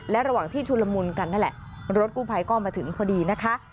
และระหว่างที่ชุลมุนกันนั่นแหละรถกู้ภัยก็มาถึงพอดีนะคะ